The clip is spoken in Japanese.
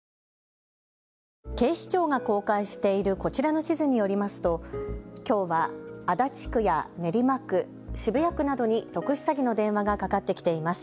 警視庁が公開しているこちらの地図によりますときょうは足立区や練馬区、渋谷区などに特殊詐欺の電話がかかってきています。